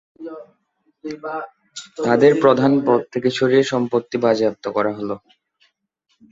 তাঁদের প্রধান পদ থেকে সরিয়ে সম্পত্তি বাজেয়াপ্ত করা হল।